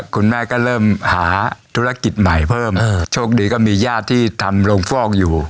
คุณแม่ก็เริ่มหาธุรกิจใหม่เพิ่มโชคดีก็มีญาติที่ทำโรงฟอกอยู่